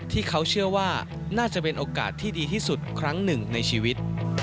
ที่เขาเชื่อว่าน่าจะเป็นโอกาสที่ดีที่สุดครั้งหนึ่งในชีวิต